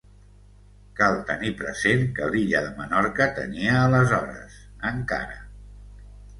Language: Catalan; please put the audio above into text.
Cal tenir present que l'illa de Menorca tenia aleshores, encara.